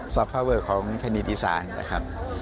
ซอฟท์ภาวเวอร์ของแผ่นดินอีสานนะครับ